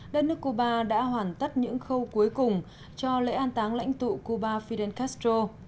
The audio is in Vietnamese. đất nước cuba đã hoàn tất những khâu cuối cùng cho lễ an táng lãnh tụ cuba fidel castro